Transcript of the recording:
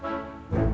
gak kecanduan hp